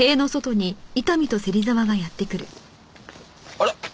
あれ？